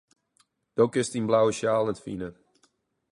Do kinst dyn blauwe sjaal net fine.